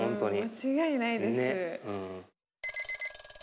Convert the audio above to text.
間違いないです。